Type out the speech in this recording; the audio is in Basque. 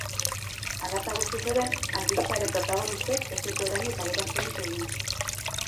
Hala eta guztiz ere, albistearen protagonistek ez dute oraindik adierazpenik egin.